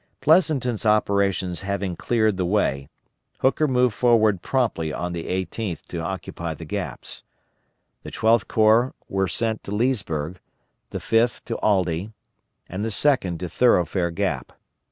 Pleasonton's operations having cleared the way, Hooker moved forward promptly on the 18th to occupy the gaps. The Twelfth Corps were sent to Leesburg, the Fifth to Aldie, and the Second to Thoroughfare Gap.